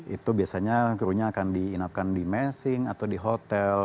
itu biasanya krunya akan diinapkan di messing atau di hotel